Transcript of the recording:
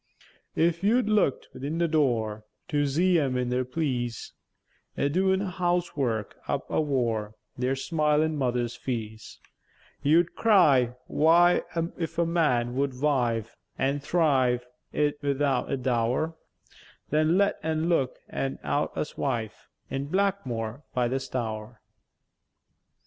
An' if you look'd 'ithin their door, To zee em in their pleäce, A doèn housework up avore Their smilèn mother's feäce; You'd cry, "Why, if a man would wive An' thrive, 'ithout a dow'r, Then let en look en out a wife In Blackmwore by the Stour."